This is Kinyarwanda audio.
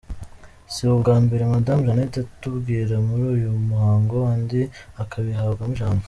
Si ubwa mbere Madamu Janete atumirwa muri uyu muhango kandi akabihabwamo ijambo.